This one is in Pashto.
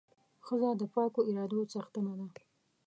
ښځه د پاکو ارادو څښتنه ده.